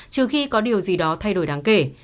trừ khi có điều gì đó thay đổi đáng kể